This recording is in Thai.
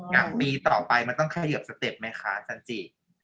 อย่างมีต่อไปมันต้องเขยิบสเต็ปไหมคะจันจิ